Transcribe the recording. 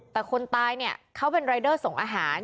แต่คนตายเนี่ยเขาเป็นรายเดอร์ส่งอาหาร